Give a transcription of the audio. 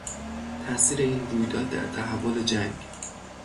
تاثیر این رویداد در تحول جنگ